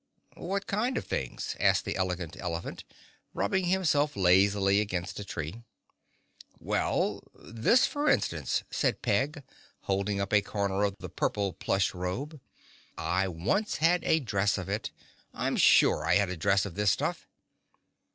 "What kind of things?" asked the Elegant Elephant, rubbing himself lazily against a tree. "Well, this for instance," said Peg, holding up a corner of the purple plush robe. "I once had a dress of it. I'm sure I had a dress of this stuff."